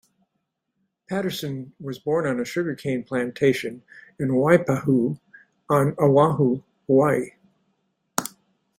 Patterson was born on a sugarcane plantation in Waipahu on Oahu, Hawaii.